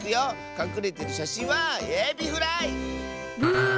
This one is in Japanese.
かくれてるしゃしんはエビフライ！ブー。